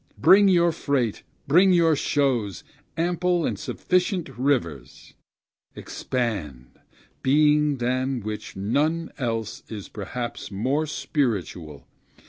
bring your freight, bring your shows, ample and sufficient rivers! Expand, being than which none else is perhaps more spiritual!